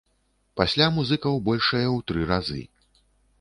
Пасля музыкаў большае ў тры разы.